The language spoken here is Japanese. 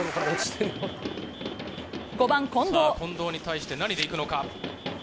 さあ、近藤に対して何でいくのか。